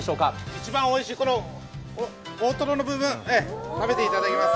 一番おいしい大トロの部分を食べていただきます。